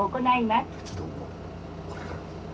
これから。